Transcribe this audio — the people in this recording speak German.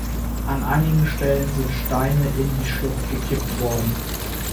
An einigen Stellen sind Steine in die Schlucht gekippt worden.